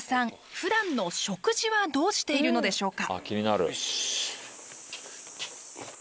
ふだんの食事はどうしているのでしょうか？